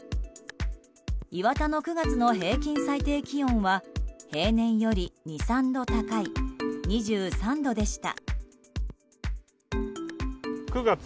磐田の９月の平均最低気温は平年より２３度高い２３度でした。